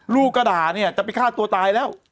ลูกก็ด่าเนี่ยจะไปฆ่าตัวตายแล้ว